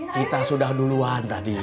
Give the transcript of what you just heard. kita sudah duluan tadi